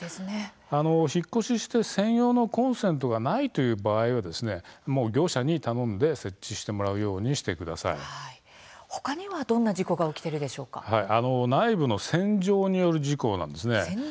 引っ越しして専用のコンセントがないという場合は業者に頼んで設置してもらうように他にはどんな事故が内部の洗浄による事故です。